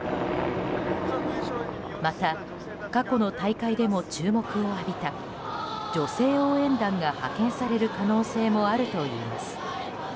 また過去の大会でも注目を浴びた女性応援団が派遣される可能性もあるといいます。